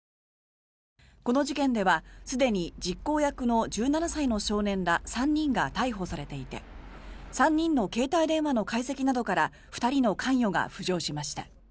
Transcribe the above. この事件では、すでに実行役の１７歳の少年ら３人が逮捕されていて３人の携帯電話の解析などから２人の関与が浮上しました。